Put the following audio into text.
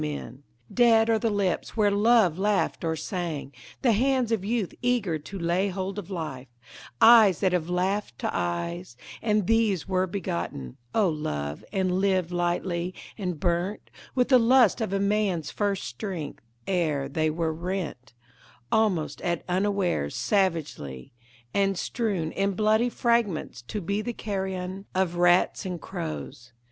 POETS MILITANT 271 Dead are the lips where love laughed or sang, The hands of youth eager to lay hold of life, Eyes that have laughed to eyes, And these were begotten, O Love, and lived lightly, and burnt With the lust of a man's first strength : ere they were rent, Almost at unawares, savagely ; and strewn In bloody fragments, to be the carrion Of rats and crows.